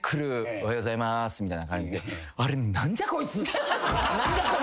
おはようございますみたいな感じで。